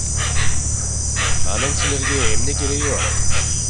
Анын силерге эмне кереги бар?